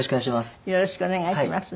よろしくお願いします。